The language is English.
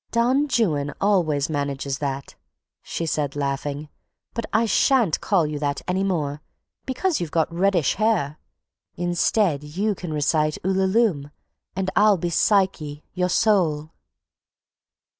"Don Juan always manages that," she said, laughing, "but I shan't call you that any more, because you've got reddish hair. Instead you can recite 'Ulalume' and I'll be Psyche, your soul."